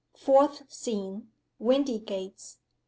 FOURTH SCENE. WINDYGATES.